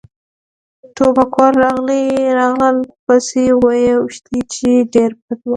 ټوپکوال راغلل پسې و يې ویشتل، چې ډېر بد و.